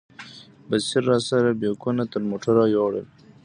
بصیر راسره بیکونه تر موټره یوړل.